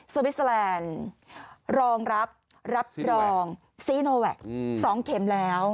วิสเตอร์แลนด์รองรับรับรองซีโนแวค๒เข็มแล้ว